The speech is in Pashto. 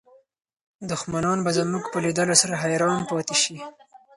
دښمنان به زموږ په لیدلو سره حیران پاتې شي.